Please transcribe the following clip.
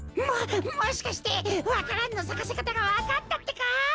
ももしかしてわか蘭のさかせかたがわかったってか！？